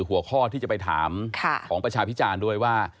หัวข้อที่จะไปถามของประชาพิจารณ์ด้วยว่า